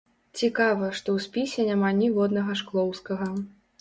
Цікава, што ў спісе няма ніводнага шклоўскага.